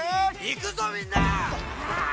行くぞみんな！